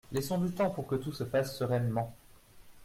Laissons du temps pour que tout se fasse sereinement.